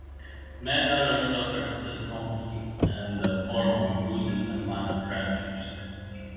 Many others suffered discomfort in the form of bruises and minor fractures.